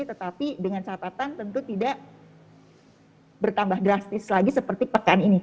tetapi dengan catatan tentu tidak bertambah drastis lagi seperti pekan ini